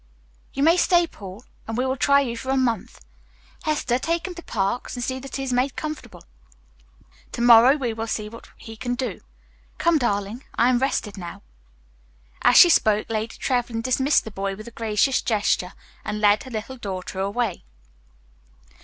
"You may stay, Paul, and we will try you for a month. Hester, take him to Parks and see that he is made comfortable. Tomorrow we will see what he can do. Come, darling, I am rested now." As she spoke, Lady Trevlyn dismissed the boy with a gracious gesture and led her little daughter away.